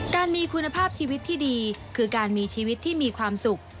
การมีคุณภาพชีวิตที่ดีคือการมีชีวิตที่มีความสุข